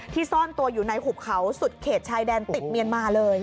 ซ่อนตัวอยู่ในหุบเขาสุดเขตชายแดนติดเมียนมาเลย